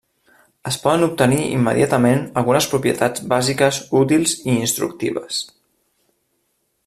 Es poden obtenir immediatament algunes propietats bàsiques útils i instructives.